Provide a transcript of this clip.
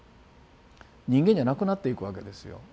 人間じゃなくなっていくわけですよ。